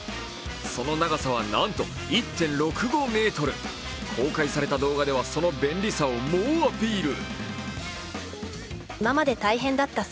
その長さは、なんと１．６５ｍ、公開された動画では、その便利さを猛アピール。